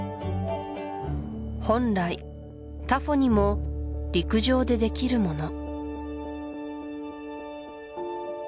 本来タフォニも陸上でできるもの